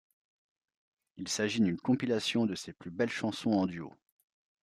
Il s’agit d’une compilation de ses plus belles chansons, en duo.